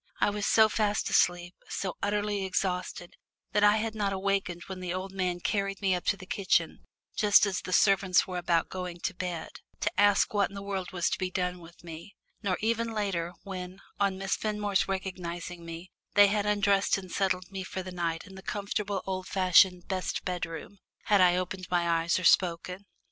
I was so fast asleep, so utterly exhausted, that I had not awakened when the old man carried me up to the kitchen, just as the servants were about going to bed, to ask what in the world was to be done with me; nor even later, when, on Miss Fenmore's recognising me, they had undressed and settled me for the night in the comfortable old fashioned "best bedroom," had I opened my eyes or spoken.